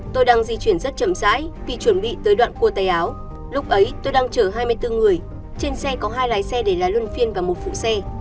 tới đoạn cua tay áo lúc ấy tôi đang chở hai mươi bốn người trên xe có hai lái xe để lái luân phiên và một phụ xe